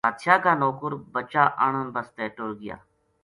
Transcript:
بادشاہ کا نوکر بچا آنن بسطے ٹُر گیا